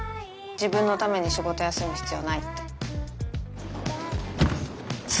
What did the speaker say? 自分のために仕事休む必要ないって。